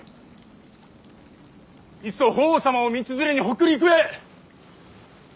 いっそ法皇様を道連れに北陸へ。